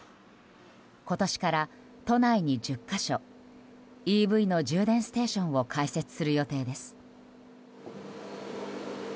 今年から都内に１０か所ＥＶの充電ステーションを開設する予定です。